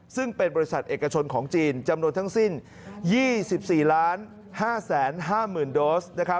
ซึ่งเป็นบริษัทเอกชนของจีนจำนวนทั้งสิ้น๒๔๕๕๐๐๐โดส